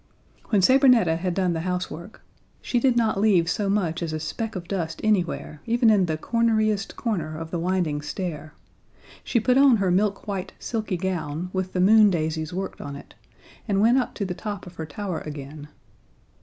When Sabrinetta had done the housework (she did not leave so much as a speck of dust anywhere, even in the corneriest corner of the winding stair) she put on her milk white, silky gown with the moon daisies worked on it, and went up to the top of her tower again.